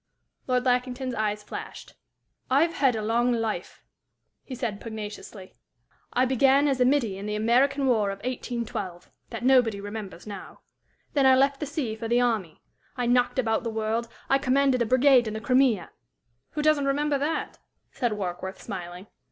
Lord Lackington's eyes flashed. "I've had a long life," he said, pugnaciously. "I began as a middy in the American war of 1812, that nobody remembers now. Then I left the sea for the army. I knocked about the world. I commanded a brigade in the Crimea " "Who doesn't remember that?" said Warkworth, smiling.